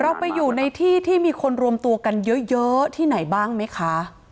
เราไปอยู่ในที่ที่มีคนรวมตัวกันเยอะที่ไหนบ้างไหมคะ